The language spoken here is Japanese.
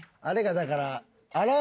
あれがだから。